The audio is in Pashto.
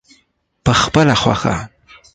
پخپله خوښه.